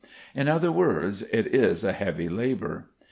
In other words, it is a heavy labour.